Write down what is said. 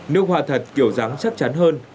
nước hoa thật kiểu dáng chắc chắn hơn